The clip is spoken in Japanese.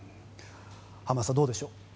浜田さんどうでしょう。